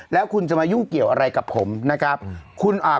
แล้วคุณจะมายุ่งเกี่ยวอะไรกับผมนะครับคุณอ่า